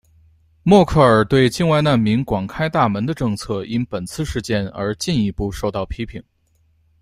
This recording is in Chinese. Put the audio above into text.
默克尔对境外难民广开大门的政策因本次事件而进一步受到批评。